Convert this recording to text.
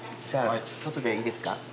じゃあ外でいいですか。